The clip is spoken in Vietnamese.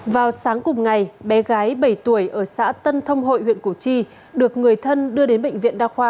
vào sáng cùng ngày bé gái bảy tuổi ở xã tân thông hội huyện củ chi được người thân đưa đến bệnh viện đa khoa